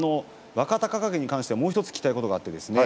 若隆景に関してはもう１つ聞きたいことがあります。